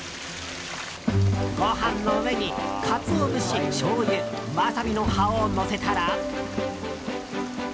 ご飯の上にカツオ節、しょうゆワサビの葉をのせたら。